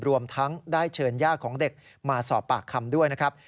รวมทั้งได้เชิญย่าของเด็กมาสอบปากคำด้วยนะครับ